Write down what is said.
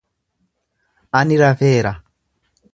Ani rafeera.